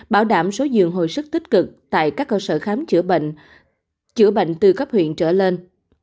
bảo đảm số dường hồi sức tích cực tại các cơ sở khám chữa bệnh từ cấp huyện trở lên